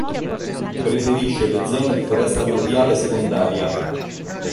Preferisce le zone di foresta pluviale secondaria.